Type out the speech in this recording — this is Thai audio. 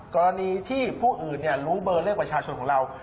กรณีที่ผู้อื่นรู้เบอร์เลขประชาชนของเรา